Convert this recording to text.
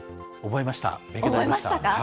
覚えましたか？